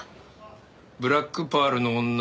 「ブラックパールの女